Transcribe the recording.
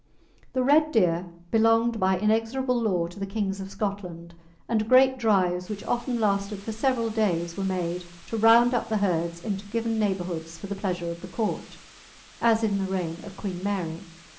The red deer belonged by inexorable law to the kings of Scotland, and great drives, which often lasted for several days, were made to round up the herds into given neighbourhoods for the pleasure of the court, as in the reign of Queen Mary.